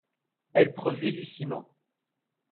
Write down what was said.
Elle produit du ciment.